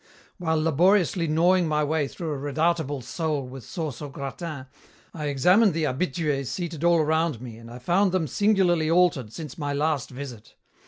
"While laboriously gnawing my way through a redoubtable sole with sauce au gratin, I examined the habitués seated all around me and I found them singularly altered since my last visit.